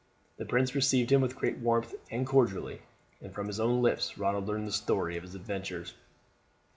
The prince received him with great warmth and cordiality, and from his own lips Ronald learned the story of his adventures.